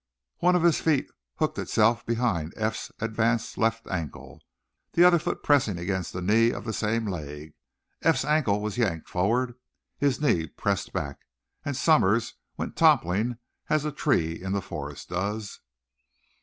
One of his feet hooked itself behind Eph's advanced left ankle, the other foot pressing against the knee of the same leg. Eph's ankle was yanked forward, his knee pressed back, and Somers went toppling as a tree in the forest does.